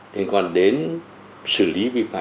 nên còn đến xử lý bị phạm